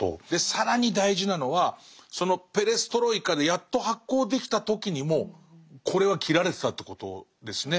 更に大事なのはそのペレストロイカでやっと発行できた時にもこれは切られてたってことですね。